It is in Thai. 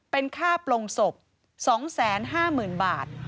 เป็นค่าปลงศพ๒๕๐๐๐บาท